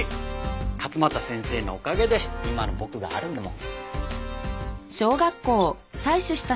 勝又先生のおかげで今の僕があるんだもん。